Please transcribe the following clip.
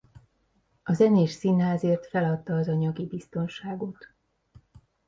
A zenés színházért feladta az anyagi biztonságot.